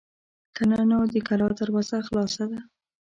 که نه نو د کلا دروازه خلاصه ده.